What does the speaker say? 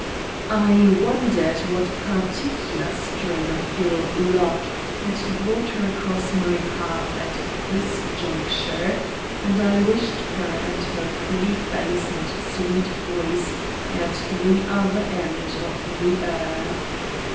I wondered what particular strain of ill luck had brought her across my path at this juncture, and I wished her and her pretty face and sweet voice at the other end of the earth.